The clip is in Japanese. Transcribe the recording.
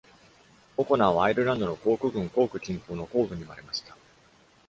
オコナーは、アイルランドのコーク郡コーク近郊のコ－ブに生まれました。